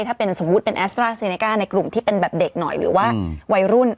ถ้าเป็นสมมุติเป็นแอสตราเซเนก้าในกลุ่มที่เป็นแบบเด็กหน่อยหรือว่าวัยรุ่น